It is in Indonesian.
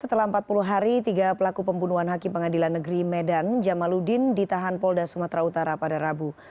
setelah empat puluh hari tiga pelaku pembunuhan hakim pengadilan negeri medan jamaludin ditahan polda sumatera utara pada rabu